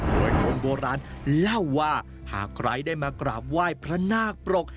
โดยคนโบราณเล่าว่าหากใครได้มากราบไหว้พระนาคปรก